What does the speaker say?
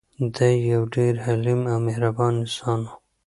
دی یو ډېر حلیم او مهربان انسان و.